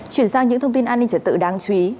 chuyển sang những thông tin an ninh trật tự đáng chú ý